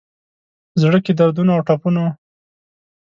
زړه کي دردونو اوټپونو،